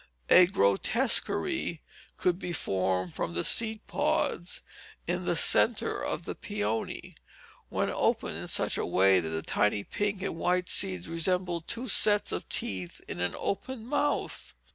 A grotesquery could be formed from the seed pods in the centre of the peony, when opened, in such a way that the tiny pink and white seeds resembled two sets of teeth in an open mouth.